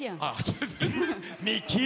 ミッキー。